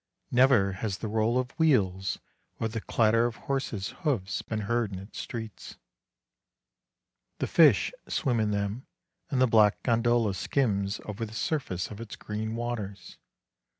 Never has the roll of wheels or the clatter of horses' hoofs been heard in its streets. The fish swim in them, and the black gondola skims over the surface of its green waters.